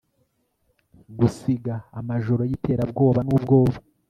gusiga amajoro yiterabwoba nubwoba